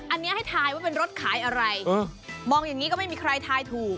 อันนี้ให้ทายว่าเป็นรถขายอะไรมองอย่างนี้ก็ไม่มีใครทายถูก